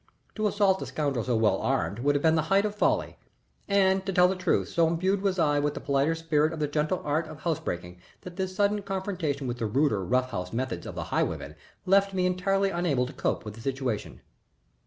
To assault a scoundrel so well armed would have been the height of folly, and to tell the truth so imbued was I with the politer spirit of the gentle art of house breaking that this sudden confrontation with the ruder, rough house methods of the highwayman left me entirely unable to cope with the situation.